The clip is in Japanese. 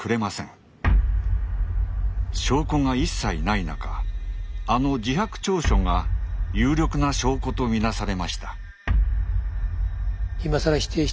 証拠が一切ない中あの自白調書が有力な証拠と見なされました。